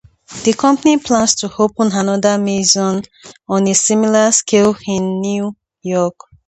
The company plans to open another "Maison," on a similar scale, in New York.